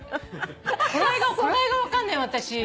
頃合いが分かんない私。